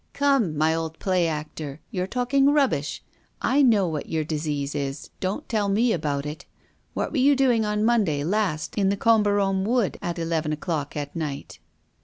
"Come, my old play actor, you're talking rubbish. I know what your disease is don't tell me about it! What were you doing on Monday last in the Comberombe wood at eleven o'clock at night?"